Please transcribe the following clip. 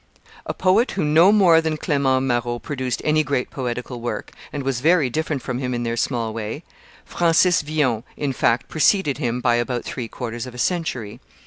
A poet who no more than Clement Marot produced any great poetical work, and was very different from him in their small way, Francis Villon, in fact, preceded him by about three quarters of a century.